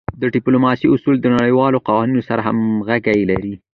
د ډیپلوماسی اصول د نړیوالو قوانینو سره همږغي لری.